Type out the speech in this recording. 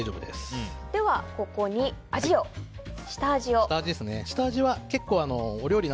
では、ここに下味を。